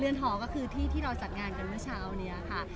หอก็คือที่ที่เราจัดงานกันเมื่อเช้านี้ค่ะ